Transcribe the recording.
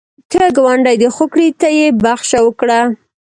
که ګاونډی دی خوږ کړي، ته یې بخښه وکړه